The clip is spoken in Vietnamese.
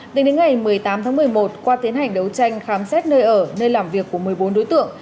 tính đến ngày một mươi tám tháng một mươi một qua tiến hành đấu tranh khám xét nơi ở nơi làm việc của một mươi bốn đối tượng